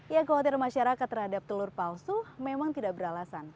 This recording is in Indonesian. ya khawatir masyarakat terhadap telur palsu memang tidak beralasan